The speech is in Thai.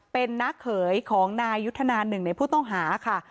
เป็นนักเขยของนายยุทธนาหนึ่งในผู้ต้องหาค่ะ